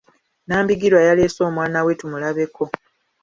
Nambigirwa yaleese omwana we tumulabeko.